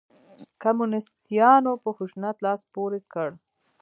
کمونسیتانو په خشونت لاس پورې کړ.